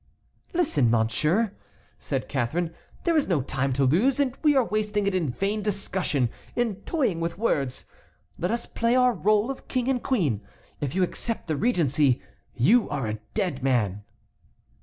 "Listen, monsieur," said Catharine; "there is no time to lose, and we are wasting it in vain discussion, in toying with words. Let us play our rôle of king and queen. If you accept the regency you are a dead man."